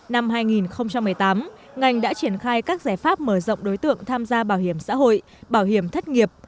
năm hai nghìn một mươi tám ngành đã triển khai các giải pháp mở rộng đối tượng tham gia bảo hiểm xã hội bảo hiểm thất nghiệp